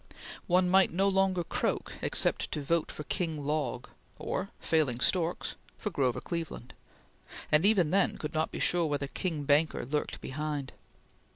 One might no longer croak except to vote for King Log, or failing storks for Grover Cleveland; and even then could not be sure where King Banker lurked behind.